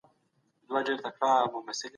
افغان ښځي د لوړو زده کړو پوره حق نه لري.